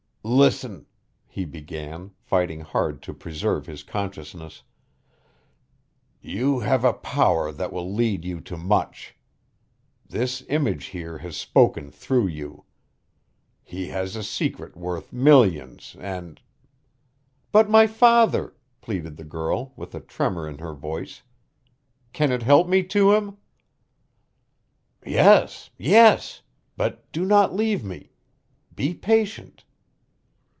"Listen!" he began, fighting hard to preserve his consciousness. "You have a power that will lead you to much. This image here has spoken through you. He has a secret worth millions and " "But my father," pleaded the girl, with a tremor in her voice. "Can it help me to him?" "Yes! Yes! But do not leave me. Be patient.